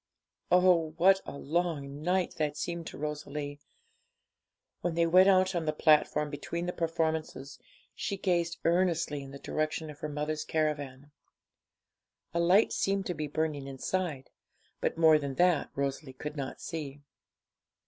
Oh, what a long night that seemed to Rosalie! When they went out on the platform between the performances, she gazed earnestly in the direction of her mother's caravan. A light seemed to be burning inside, but more than that Rosalie could not see.